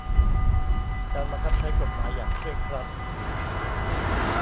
การบังคับใช้กฎหมายอย่างเคร่งครัด